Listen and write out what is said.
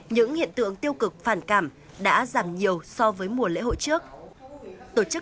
những hiện tượng tiêu cực phản cảm đã giảm nhiều so với mùa lễ hội trước